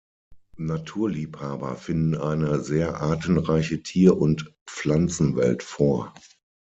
Naturliebhaber finden eine sehr artenreiche Tier- und Pflanzenwelt vor.